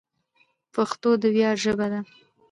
پښتو د ویاړ ژبه ده.